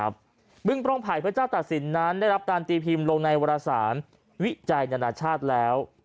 เบื้องต้นไผ่พระเจ้าตัดสินนั้นได้รับการตีพิมพ์ลงในวารสารวิจัยนานาชาติแล้ว